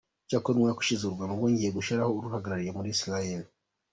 Icyakora umwaka ushize u Rwanda rwongeye gushyiraho uruhagarariye muri Israel.